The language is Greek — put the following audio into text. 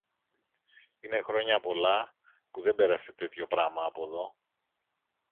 Είναι χρόνια πολλά που δεν πέρασε τέτοιο πράμα από δω.